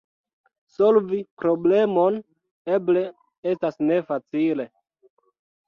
Solvi problemon eble estas nefacile.